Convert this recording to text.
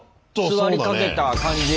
座りかけた感じ。